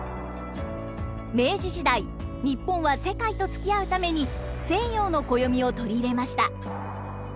明治時代日本は世界とつきあうために西洋の暦を取り入れました。